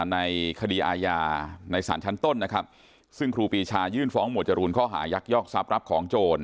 ในคดีอาญาในสารชั้นต้นนะครับซึ่งครูปีชายื่นฟ้องหมวดจรูนข้อหายักยอกทรัพย์รับของโจร